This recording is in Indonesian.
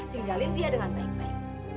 tinggalin dia dengan baik baik